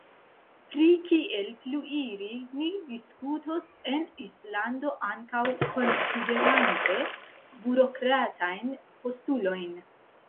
Pri kiel pluiri, ni diskutos en Islando, ankaŭ konsiderante burokratajn postulojn.